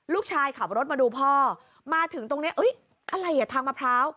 ขับรถมาดูพ่อมาถึงตรงนี้อะไรอ่ะทางมะพร้าว